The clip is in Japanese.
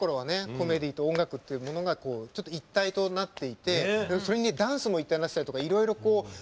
コメディーと音楽っていうものが一体となっていてそれにダンスも一体になってたりとかいろいろ混ざって。